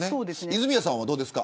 泉谷さんはどうですか。